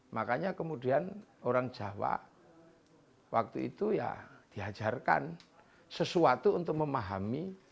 makanya kemudian orang jawa waktu itu ya diajarkan sesuatu untuk memahami